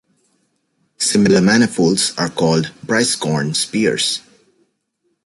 Similar manifolds are called Brieskorn spheres.